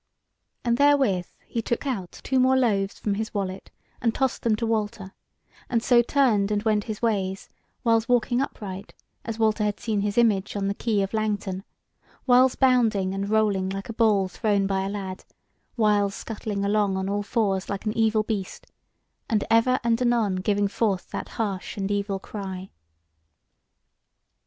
And therewith he took out two more loaves from his wallet, and tossed them to Walter, and so turned and went his ways; whiles walking upright, as Walter had seen his image on the quay of Langton; whiles bounding and rolling like a ball thrown by a lad; whiles scuttling along on all fours like an evil beast, and ever and anon giving forth that harsh and evil cry.